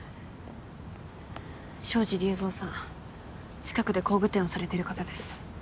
東海林隆三さん近くで工具店をされている方です。